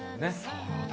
そうだ。